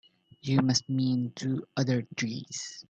You must mean two other trees.